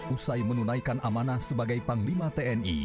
usai menunaikan amanah sebagai panglima tni